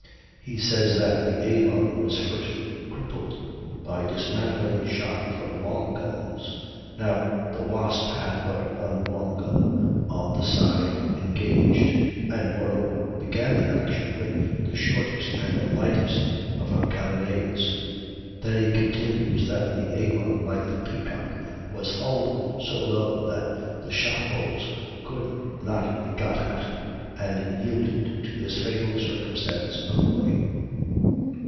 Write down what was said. He says that the Avon was first crippled by dismantling shot from long guns. Now, the Wasp had but one long gun on the side engaged, and, moreover, began the action with the shortest and lightest of her carronades. Then he continues that the Avon, like the Peacock, "was hulled so low that the shot holes could not be got at, and yielded to this fatal circumstance only."